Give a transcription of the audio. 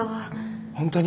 本当に！？